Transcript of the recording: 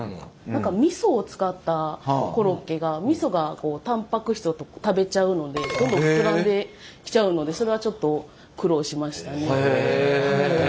何かみそを使ったコロッケがみそがタンパク質を食べちゃうのでどんどん膨らんできちゃうのでそれはちょっと苦労しましたね。